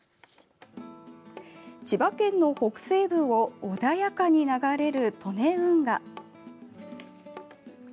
千葉県の北西部を穏やかに流れる利根運河。